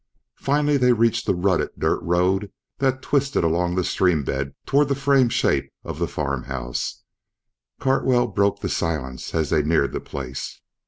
Finally they reached the rutted, dirt road that twisted along the stream bed toward the framed shape of the farm house. Cartwell broke the silence as they neared the place.